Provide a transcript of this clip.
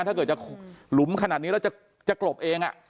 ถ้าเกิดจะหลุมขนาดนี้แล้วจะกลบเอง